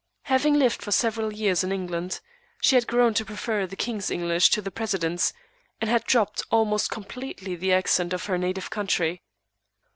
Having lived for several years in England, she had grown to prefer the King's English to the President's, and had dropped, almost completely, the accent of her native country.